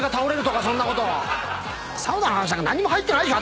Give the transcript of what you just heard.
サウナの話なんか何も入ってないでしょ！